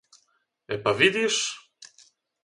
Е па видиш?